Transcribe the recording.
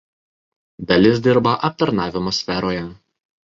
Dalis dirba aptarnavimo sferoje.